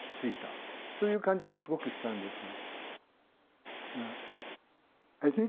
何となくそういう感じがすごくしたんですが。